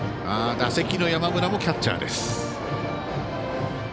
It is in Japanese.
打席の山村もキャッチャー。